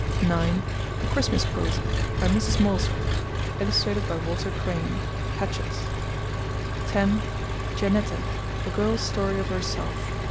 (9) A Christmas Posy. By Mrs. Molesworth. Illustrated by Walter Crane. (Hatchards.) (10) Giannetta. A Girl's Story of Herself.